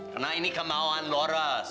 karena ini kemauan laura